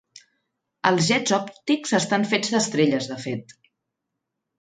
Els jets òptics estan fets d'estrelles, de fet.